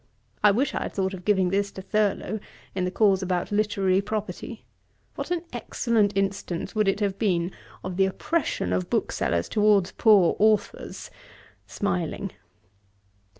I wish I had thought of giving this to Thurlow, in the cause about Literary Property. What an excellent instance would it have been of the oppression of booksellers towards poor authours!' (smiling)!